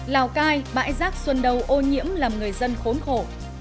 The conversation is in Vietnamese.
lào cai bãi rác xuân đâu ô nhiễm làm người dân khốn khổ